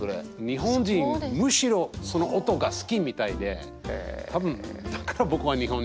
日本人むしろその音が好きみたいで。